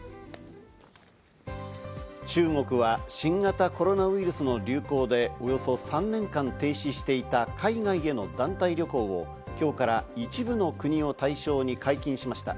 中国は新型コロナウイルスの流行でおよそ３年間停止していた海外への団体旅行を今日から一部の国を対象に解禁しました。